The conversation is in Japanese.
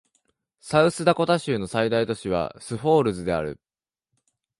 サウスダコタ州の最大都市はスーフォールズである